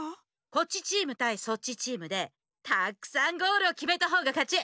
こっちチームたいそっちチームでたくさんゴールをきめたほうがかち。